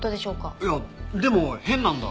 いやでも変なんだ。